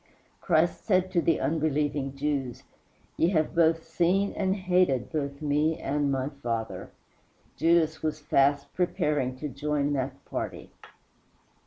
Christ said to the unbelieving Jews, "Ye have both seen and hated both Me and my Father." Judas was fast preparing to join that party.